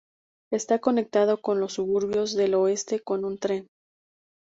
Está conectado con los suburbios del oeste con un tren.